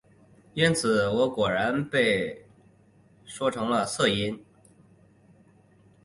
因此我果然被说是音色了呢。